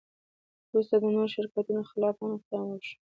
وروسته د نورو شرکتونو خلاف هم اقدام وشو.